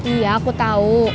iya aku tau